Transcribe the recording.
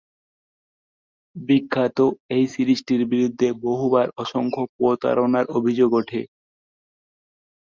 বিখ্যাত এই সিরিজটির বিরুদ্ধে বহুবার অসংখ্য প্রতারণার অভিযোগ ওঠে।